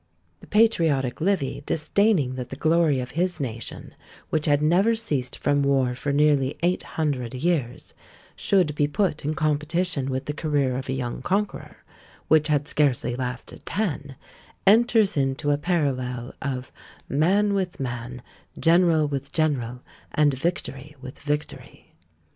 The patriotic Livy, disdaining that the glory of his nation, which had never ceased from war for nearly eight hundred years, should be put in competition with the career of a young conqueror, which had scarcely lasted ten, enters into a parallel of "man with man, general with general, and victory with victory."